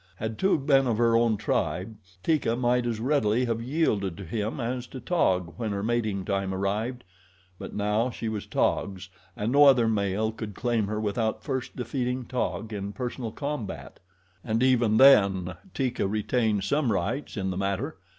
Had Toog been of her own tribe, Teeka might as readily have yielded to him as to Taug when her mating time arrived; but now she was Taug's and no other male could claim her without first defeating Taug in personal combat. And even then Teeka retained some rights in the matter.